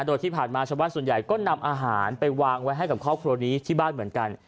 โดยที่ผ่านมาชาวบ้านส่วนใหญ่ก็นำอาหารไปวางไว้ให้กับครอบครัวนี้ที่บ้านเหมือนกัน